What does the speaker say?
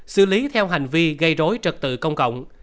xử lý theo hành vi gây rối trật tự công cộng